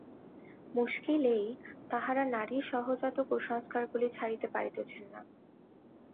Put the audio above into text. মুশকিল এই, তাঁহারা নারীর সহজাত কুসংস্কারগুলি ছাড়িতে পারিতেছেন না।